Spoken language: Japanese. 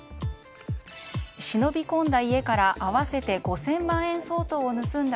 忍び込んだ家から合わせて５０００万円相当を盗んだ